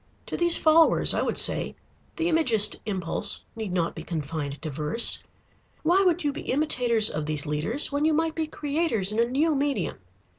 To these followers I would say: the Imagist impulse need not be confined to verse. Why would you be imitators of these leaders when you might be creators in a new medium?